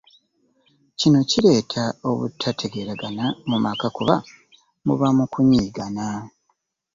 Kino kireeta obutategeeragana mu maka kuba muba mu kunyiigana.